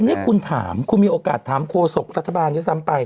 นี่คุณถามคุณมีโอกาสถามโฆษกรัฐบาลด้วยซ้ำไป